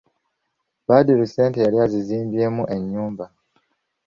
Badru ssente yali azizimbyemu ennyumba.